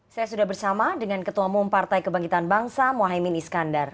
saya sudah bersama dengan ketua umum partai kebangkitan bangsa mohaimin iskandar